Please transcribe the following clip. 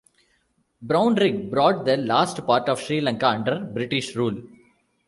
Brownrigg brought the last part of Sri Lanka under British rule.